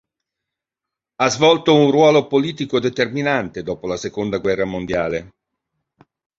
Ha svolto un ruolo politico determinante dopo la Seconda Guerra Mondiale.